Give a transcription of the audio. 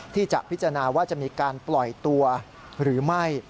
ที่จะพิจารณาว่าจะมีการปล่อยตัวหรือไม่